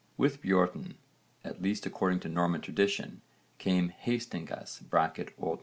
With Björn, at least according to Norman tradition, came Hastingus (O.N.